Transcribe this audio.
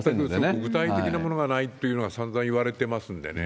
具体的なものがないっていうのがさんざん言われてますんでね。